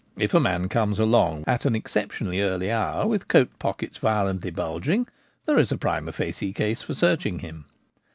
If a man comes along at an exceptionally * early hour with coat pockets violently bulging, there is a primd facie case for searching him.